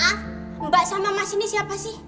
mbak sama mas ini siapa sih